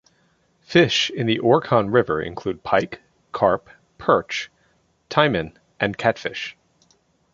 Fish in the Orkhon river include pike, carp, perch, taimen and catfish.